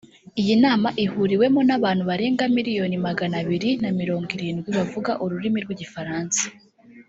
iyi nama ihuriwemo n’abantu barenga miriyoni magana abiri na mirongo irindwi bavuga urimi rw’igifaransa